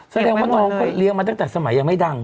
แสดงว่าอยู่เป็นพ่อหรือยเลี้ยงมาตั้งแต่สมัยยังไม่ดัง